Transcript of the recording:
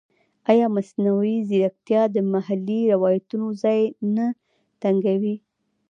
ایا مصنوعي ځیرکتیا د محلي روایتونو ځای نه تنګوي؟